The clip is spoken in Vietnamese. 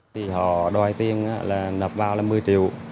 thì họ đòi tiền là nập vào là năm mươi triệu